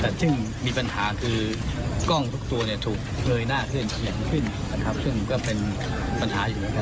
เดี๋ยวต้องกลับไปคุยที่ห้องประชุมกันนะครับ